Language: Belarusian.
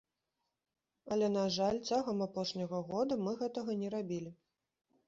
Але, на жаль, цягам апошняга года мы гэтага не рабілі.